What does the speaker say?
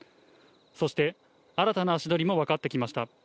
そして、新たな足取りも分かってきました。